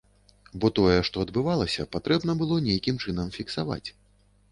Бо тое, што адбывалася, патрэбна было нейкім чынам фіксаваць.